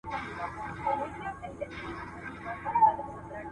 زده کړې نجونې د خلکو ترمنځ رښتينولي خپروي.